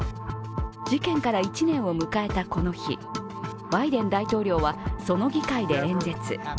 事件から１年を迎えたこの日、バイデン大統領はその議会で演説。